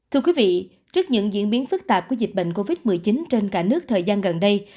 thưa quý vị trước những diễn biến phức tạp của dịch bệnh covid một mươi chín trên cả nước thời gian gần đây